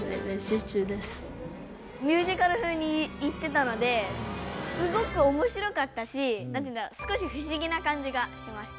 ミュージカルふうに言ってたのですごくおもしろかったしなんていうんだろ少しふしぎなかんじがしました。